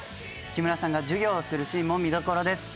木村さんが授業をするシーンも見どころです。